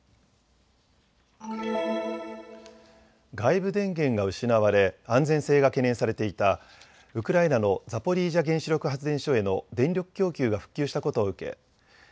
外部電源が失われ安全性が懸念されていたウクライナのザポリージャ原子力発電所への電力供給が復旧したことを受け